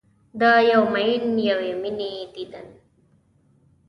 د یو میین یوې میینې دیدن